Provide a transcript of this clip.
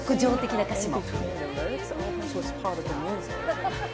直情的な歌詞も。